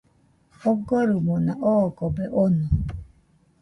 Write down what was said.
Ogorimona ogobe ono.